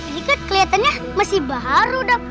ini kan keliatannya masih baru dam